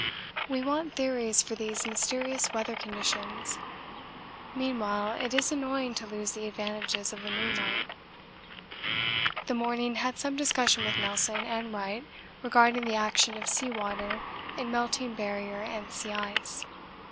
We want theories for these mysterious weather conditions; meanwhile it is annoying to lose the advantages of the moonlight. This morning had some discussion with Nelson and Wright regarding the action of sea water in melting barrier and sea ice.